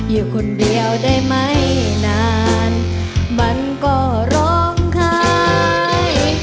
อยู่คนเดียวได้ไหมนานมันก็ร้องคาย